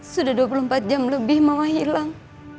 sudah dua puluh empat jam lebih mama hilang